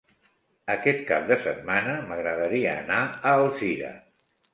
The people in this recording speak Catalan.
Aquest cap de setmana m'agradaria anar a Alzira.